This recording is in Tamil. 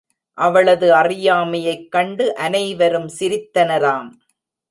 அவளது அறியாமையைக் கண்டு அனைவரும் சிரித்தனராம்.